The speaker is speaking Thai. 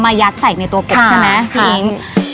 มายัดใส่ในตัวกลบใช่ไหมพี่อิง